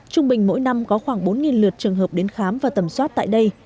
trung bình mỗi năm có khoảng bốn lượt trường hợp đến khám và tầm soát tại đây